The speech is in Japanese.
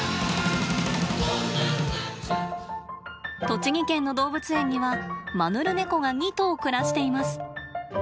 栃木県の動物園にはマヌルネコが２頭暮らしています。